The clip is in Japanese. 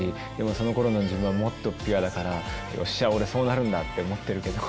その頃の自分はもっとピュアだから「よっしゃ俺そうなるんだ」って思ってるけど。